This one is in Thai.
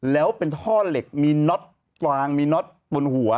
แล้วเป็นท่อเหล็กมีน็อตกลางมีน็อตบนหัว